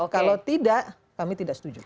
kalau tidak kami tidak setuju